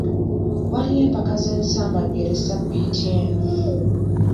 Waliyo empaka z'ensambaggere ssabbiiti eno.